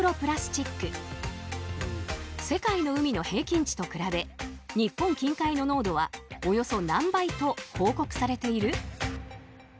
世界の海の平均値と比べ日本近海の濃度はおよそ何倍と報告されている？